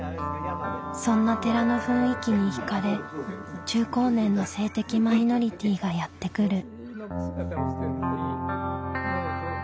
そんな寺の雰囲気に惹かれ中高年の性的マイノリティーがやって来る。